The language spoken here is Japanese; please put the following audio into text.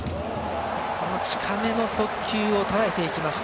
近めの速球をとらえていきました。